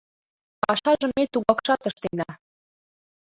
Пашажым ме тугакшат ыштена.